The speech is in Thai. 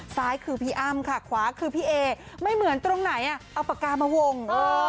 ซ้ายคือพี่อ้ำค่ะขวาคือพี่เอไม่เหมือนตรงไหนอ่ะเอาปากกามาวง